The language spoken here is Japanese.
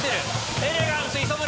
エレガンス磯村！